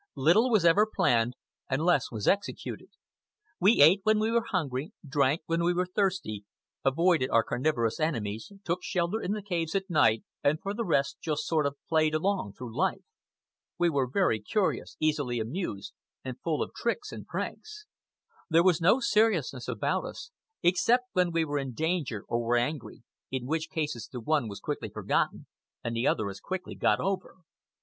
Little was ever planned, and less was executed. We ate when we were hungry, drank when we were thirsty, avoided our carnivorous enemies, took shelter in the caves at night, and for the rest just sort of played along through life. We were very curious, easily amused, and full of tricks and pranks. There was no seriousness about us, except when we were in danger or were angry, in which cases the one was quickly forgotten and the other as quickly got over.